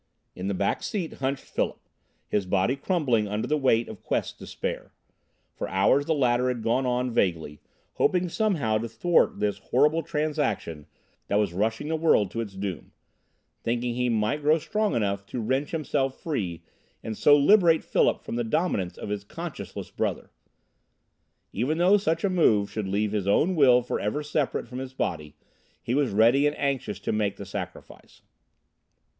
In the back seat hunched Philip, his body crumbling under the weight of Quest's despair. For hours the latter had gone on vaguely, hoping somehow to thwart this horrible transaction that was rushing the world to its doom, thinking he might grow strong enough to wrench himself free and so liberate Philip from the dominance of his conscienceless brother. Even though such a move should leave his own will forever separate from his body, he was ready and anxious to make the sacrifice.